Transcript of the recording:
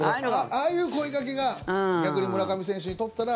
ああいう声掛けが逆に村上選手にとっては。